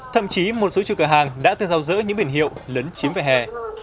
thậm chí một số chủ cửa hàng đã từng thao dỡ những biển hiệu lấn chiếm về hè